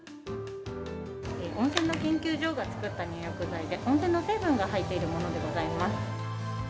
温泉の研究所が作った入浴剤で、温泉の成分が入っているものでございます。